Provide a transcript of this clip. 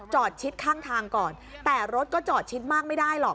ชิดข้างทางก่อนแต่รถก็จอดชิดมากไม่ได้หรอก